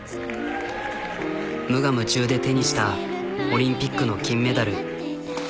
無我夢中で手にしたオリンピックの金メダル。